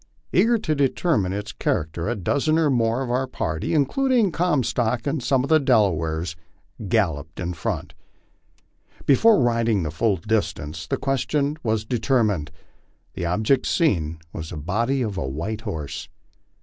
Eager to de termine its character, a dozen or more of our party, including Comstock and some of the Delawares, galloped in front. Before riding the full distance the question was determined. The object seen was the body of a white horse.